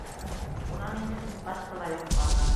Шунан инде Синдбадты ла йоҡо баҫа.